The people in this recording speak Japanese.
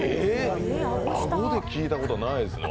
あごで聞いたことないですね。